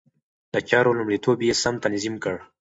د چارو لومړيتوب يې سم تنظيم کړ.